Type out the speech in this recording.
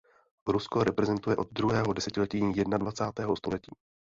Rusko reprezentuje od druhého desetiletí jednadvacátého století.